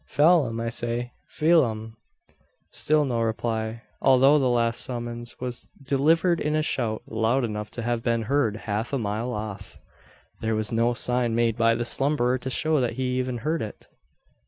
"Pheelum, I say! Pheelum!" Still no reply. Although the last summons was delivered in a shout loud enough to have been heard half a mile off, there was no sign made by the slumberer to show that he even heard it.